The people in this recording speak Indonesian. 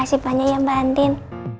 makasih banyak ya mbak andin